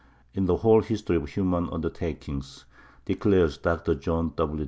In the whole history of human undertakings [declares Dr. John W.